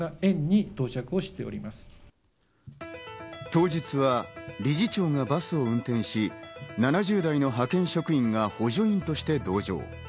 当日は、理事長がバスを運転し、７０代の派遣職員が補助員として同乗。